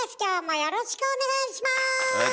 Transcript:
よろしくお願いします。